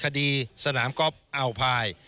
คดีสนามก็อ่อภาย